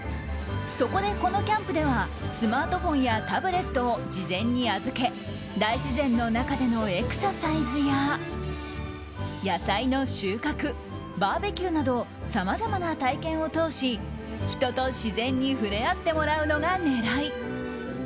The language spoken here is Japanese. そこで、このキャンプではスマートフォンやタブレットを事前に預け大自然の中でのエクササイズや野菜の収穫、バーベキューなどさまざまな体験を通し人と自然に触れ合ってもらうのが狙い。